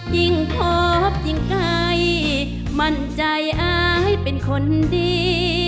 ยิ่งพบยิ่งไกลมั่นใจอายเป็นคนดี